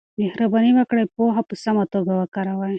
مهرباني وکړئ پوهه په سمه توګه وکاروئ.